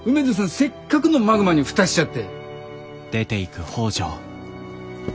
せっかくのマグマに蓋しちゃって。